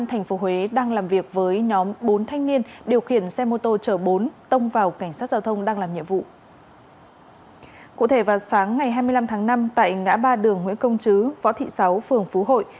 hãy đăng ký kênh để ủng hộ kênh của chúng tôi